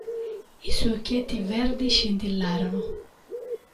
I suoi occhietti verdi scintillarono.